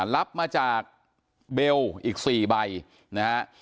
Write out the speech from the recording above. รับมาจากเบลอ์อีก๔ใบนะครับ